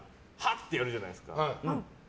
ってやるじゃないですか。